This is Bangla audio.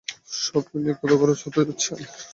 সব মিলিয়ে কত খরচ হতে যাচ্ছে আমার?